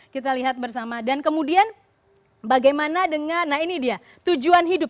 kita lihat bersama dan kemudian bagaimana dengan nah ini dia tujuan hidup